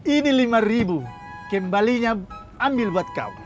ini lima ribu kembalinya ambil buat kau